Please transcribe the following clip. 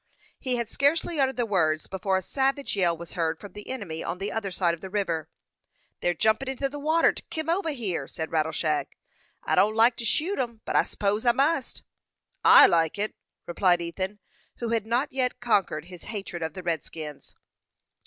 He had scarcely uttered the words before a savage yell was heard from the enemy on the other side of the river. "They're jumpin' inter the water to kim over here," said Rattleshag. "I don't like to shoot 'em, but I s'pose I must." "I like it," replied Ethan, who had not yet conquered his hatred of the redskins.